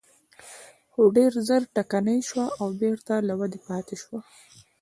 خو ډېر ژر ټکنۍ شوه او بېرته له ودې پاتې شوه.